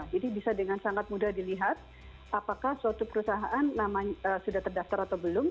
bisa dengan sangat mudah dilihat apakah suatu perusahaan sudah terdaftar atau belum